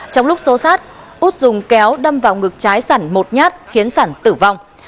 trong lúc xô sát út dùng kéo đâm vào ngực trái sẵn một nhát khiến sản tử vong